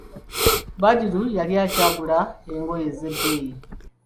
Badru yali akyagula engoye z'ebbeeyi.